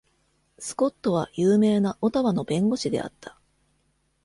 スコットは有名なオタワの弁護士であった。